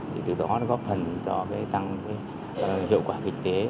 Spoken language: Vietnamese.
thì từ đó nó góp phần cho cái tăng hiệu quả kinh tế